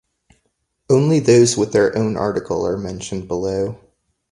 Only those with their own article are mentioned below.